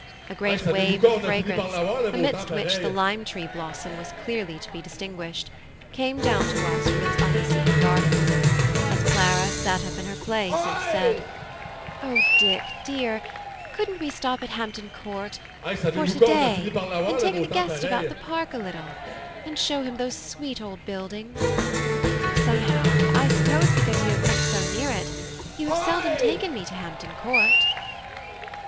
A great wave of fragrance, amidst which the lime tree blossom was clearly to be distinguished, came down to us from its unseen gardens, as Clara sat up in her place, and said: "O Dick, dear, couldn't we stop at Hampton Court for to day, and take the guest about the park a little, and show him those sweet old buildings? Somehow, I suppose because you have lived so near it, you have seldom taken me to Hampton Court."